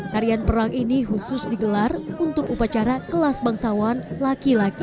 tarian perang ini khusus digelar untuk upacara kelas bangsawan laki laki